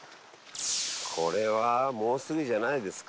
これはもうすぐじゃないですか？